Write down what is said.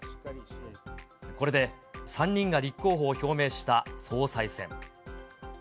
これで３人が立候補を表明した総裁選。